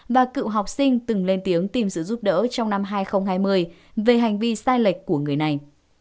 và cựu học sinh từng lên tiếng tìm sự giúp đỡ trong năm hai nghìn hai mươi về hành vi sai lệch của người này